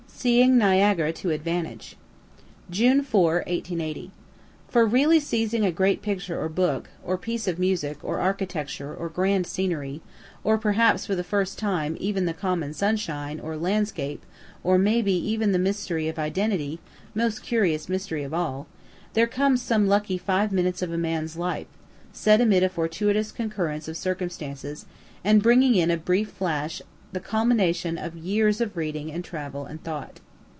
SEEING NIAGARA TO ADVANTAGE June 4, '80. For really seizing a great picture or book, or piece of music, or architecture, or grand scenery or perhaps for the first time even the common sunshine, or landscape, or may be even the mystery of identity, most curious mystery of all there comes some lucky five minutes of a man's life, set amid a fortuitous concurrence of circumstances, and bringing in a brief flash the culmination of years of reading and travel and thought.